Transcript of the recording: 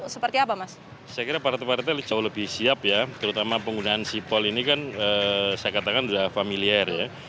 saya kira partai partai jauh lebih siap ya terutama penggunaan sipol ini kan saya katakan sudah familiar ya